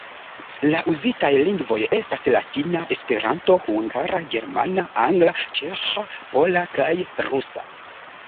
La uzitaj lingvoj estas: latina, Esperanto, hungara, germana, angla, ĉeĥa, pola kaj rusa.